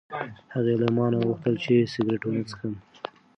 هغې له ما نه وغوښتل چې سګرټ ونه څښم.